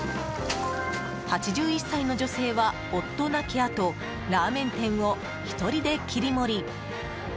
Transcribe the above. ８１歳の女性は、夫亡きあとラーメン店を１人で切り盛り。